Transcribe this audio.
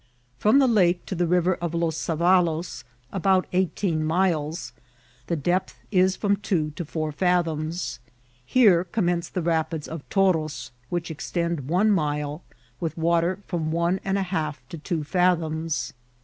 From the lake to the river of Los Savaloe, about eighteen miles, the depth is from two to four fathoms. Here commence the rapids of Toroe, which extend one mile, with water from one and a half to two fathoms.